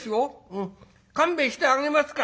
うん勘弁してあげますから。